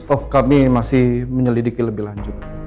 oh kami masih menyelidiki lebih lanjut